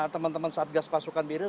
teman teman satgas pasukan biru